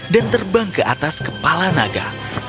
dan terbang ke atas kepala naga